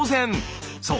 そう。